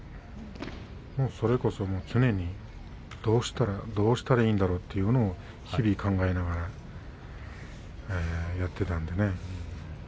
それこそ常にどうしたらいいんだろうというのを日々考えながらやっていたんでね。